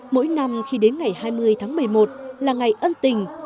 mỗi năm khi đến ngày hai mươi tháng một mươi một là ngày ân tình